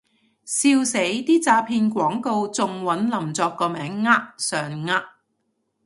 笑死，啲詐騙廣告仲搵林作個名呃上呃